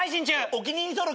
お気に入り登録。